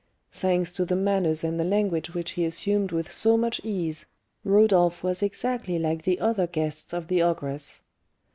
Thanks to the manners and the language which he assumed with so much ease, Rodolph was exactly like the other guests of the ogress.